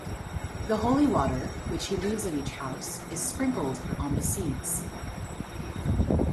The holy water which he leaves at each house is sprinkled on the seeds.